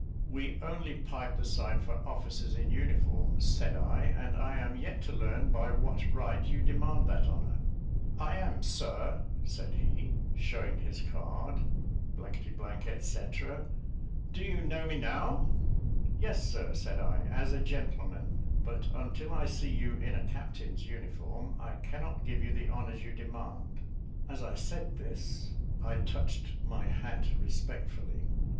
"We only pipe the side for officers in uniform," said I; "and I am yet to learn by what right you demand that honour." "I am, Sir," said he (showing his card), "...., &c. Do you know me now?" "Yes, Sir," said I, "as a gentleman; but until I see you in a captain's uniform, I cannot give you the honours you demand:" as I said this, I touched my hat respectfully.